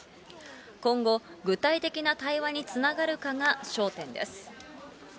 今後、具体的な対話につながるかが焦点です。